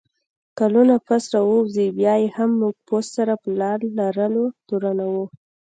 کلونه پس راووځي، بیا یې هم موږ پوځ سره په لار لرلو تورنوو